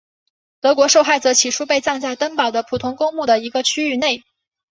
德国受害者起初被葬在登堡的普通公墓的一个区域内。